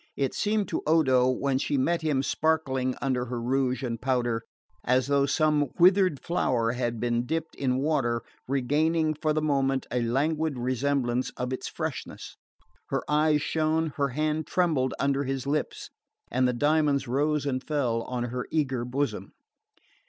It seemed to Odo, when she met him sparkling under her rouge and powder, as though some withered flower had been dipped in water, regaining for the moment a languid semblance of its freshness. Her eyes shone, her hand trembled under his lips, and the diamonds rose and fell on her eager bosom.